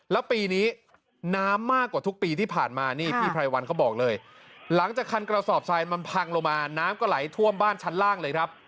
แล้วปีนี้น้ำมากกว่าทุกปีที่ผ่านมานี่พี่ไพรวันเขาบอกเลยหลังจากคันกระสอบทรายมันพังลงมาน้ำก็ไหลท่วมบ้านชั้นล่างเลยครับ